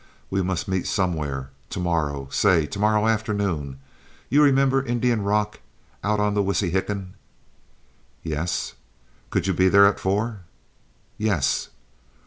We must meet somewhere—to morrow, say—to morrow afternoon. You remember Indian Rock, out on the Wissahickon?" "Yes." "Could you be there at four?" "Yes."